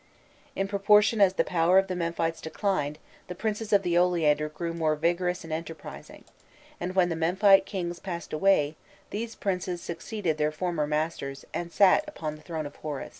In proportion as the power of the Memphites declined, the princes of the Oleander grew more vigorous and enterprising; and when the Memphite kings passed away, these princes succeeded their former masters and sat "upon the throne of Horus."